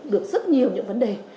được rất nhiều những vấn đề